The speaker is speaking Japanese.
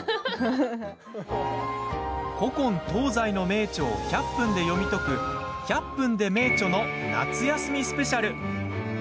古今東西の名著を１００分で読み解く「１００分ｄｅ名著」の夏休みスペシャル！